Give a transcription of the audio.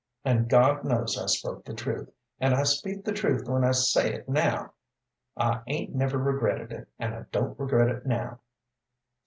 And God knows I spoke the truth, and I speak the truth when I say it now. I 'ain't never regretted it, and I don't regret it now."